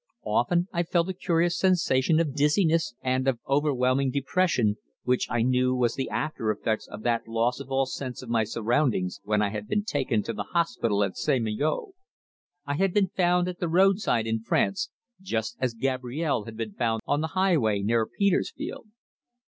Often I felt a curious sensation of dizziness and of overwhelming depression, which I knew was the after effects of that loss of all sense of my surroundings when I had been taken to the hospital in St. Malo. I had been found at the roadside in France, just as Gabrielle had been found on the highway near Petersfield.